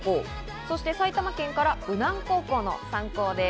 そして埼玉県から武南高校の３校です。